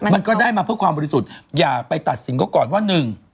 มันก็ได้มาเพื่อความบริสุทธิ์อย่าไปตัดสินเขาก่อนว่าหนึ่ง